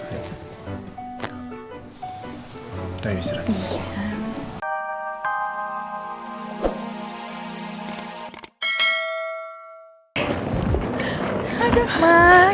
kita udah istirahat